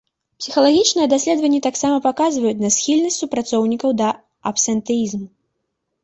Псіхалагічныя даследаванні таксама паказваюць на схільнасць супрацоўнікаў да абсентэізму.